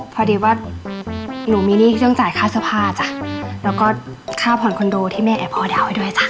พอดีว่าหนูมีหนี้เครื่องจ่ายค่าเสื้อผ้าจ้ะแล้วก็ค่าผ่อนคอนโดที่แม่แอบพอดาวให้ด้วยจ้ะ